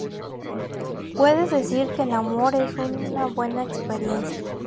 Puedes decir que el amor es una buena experiencia.